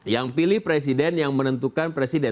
yang pilih presiden yang menentukan presiden